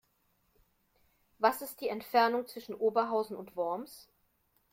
Was ist die Entfernung zwischen Oberhausen und Worms?